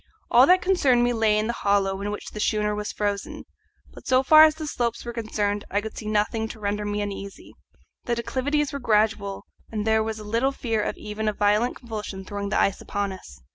All that concerned me lay in the hollow in which the schooner was frozen; but so far as the slopes were concerned I could see nothing to render me uneasy. The declivities were gradual, and there was little fear of even a violent convulsion throwing the ice upon us.